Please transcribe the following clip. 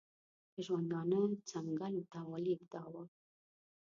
د ژوندانه څنګلو ته ولېږداوه.